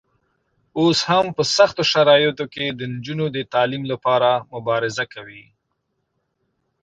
اوس هم په سختو شرایطو کې د نجونو د تعلیم لپاره مبارزه کوي.